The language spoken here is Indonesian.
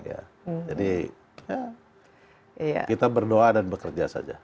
jadi ya kita berdoa dan bekerja saja